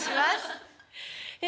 え